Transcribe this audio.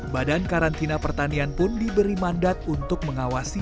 badan karantina pertanian pun diberi mandat untuk mengawasi